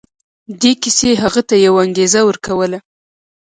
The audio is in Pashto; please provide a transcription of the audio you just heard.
دې کيسې هغه ته يوه انګېزه ورکوله.